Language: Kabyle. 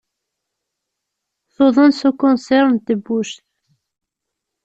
Tuḍen s ukansir n tebbuct.